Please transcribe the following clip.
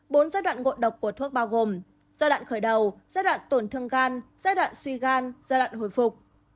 bốn giai đoạn ngộ độc của thuốc bao gồm giai đoạn khởi đầu giai đoạn tổn thương gan giai đoạn suy gan giai đoạn hồi phục